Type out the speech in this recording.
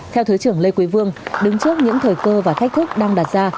theo thứ trưởng lê quỳ vương đứng trước những thời cơ và thách thức đang đạt ra